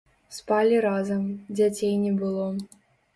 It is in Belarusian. Спалі разам, дзяцей не было.